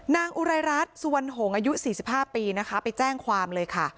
อุไรรัฐสุวรรณหงษ์อายุ๔๕ปีนะคะไปแจ้งความเลยค่ะ